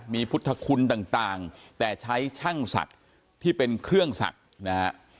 มีพุทธคุณต่างแต่ใช้ช่างศักดิ์ที่เป็นเครื่องศักดิ์นะฮะ